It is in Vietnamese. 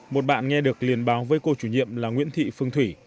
một bạn nghe được liên báo với cô chủ nhiệm là nguyễn thị phương thủy